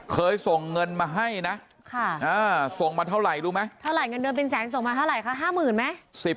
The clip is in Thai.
เคยส่งเงินมาให้นะส่งมาเท่าไหร่รู้ไหมเท่าไหร่เงินเดือนเป็นแสนส่งมาเท่าไหร่คะ๕๐๐๐ไหม